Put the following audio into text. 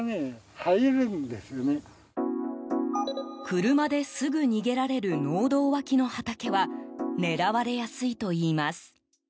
車ですぐ逃げられる農道脇の畑は狙われやすいといいます。